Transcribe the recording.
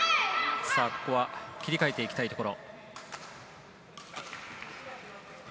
ここは切り替えていきたいところ。